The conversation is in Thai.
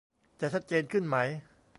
จะชัดเจนขึ้นไหม ?